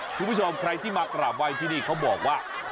คุณผู้ชมใครที่มากราบไหว้ที่นี่เขาบอกว่า